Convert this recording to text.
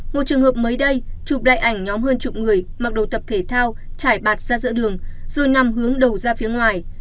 một trường hợp mới đây chụp lại ảnh nhóm hơn chục người mặc đồ tập thể thao trải bạt ra giữa đường rồi nằm hướng đầu ra phía ngoài